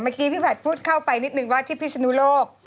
เมื่อกี้พี่ผัดพูดเข้าไปนิดหนึ่งว่าที่พิศนุโลก